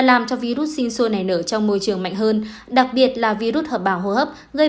làm cho virus sinh sôi nảy nở trong môi trường mạnh hơn đặc biệt là virus hợp bào hô hấp gây